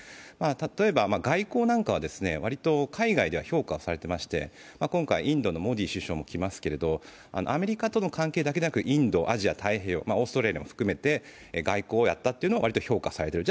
例えば外交なんかは割と海外では評価されていまして今回、インドのモディ首相も来ますけれども、アメリカとの関係だけではなくインド、アジア太平洋、オーストラリアも含めて外交をやったということはわりと評価されている。